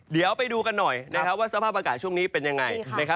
เดี๋ยวไปดูกันหน่อยว่าสภาพอากาศช่วงนี้เป็นยังไง